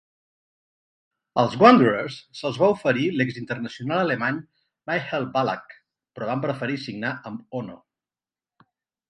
Als Wanderers se'ls va oferir l'exinternacional alemany Michael Ballack, però van preferir signar amb Ono.